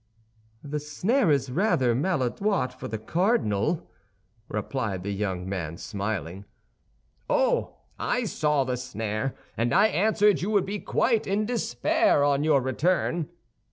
'" "The snare is rather maladroit for the cardinal," replied the young man, smiling. "Oh, I saw the snare, and I answered you would be quite in despair on your return.